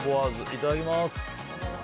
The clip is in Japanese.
いただきます。